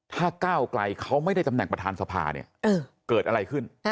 ถ้าก้าวไกลเขาไม่ได้ตำแหน่งประธานสภาเนี่ยเกิดอะไรขึ้น